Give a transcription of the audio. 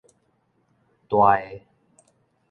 大的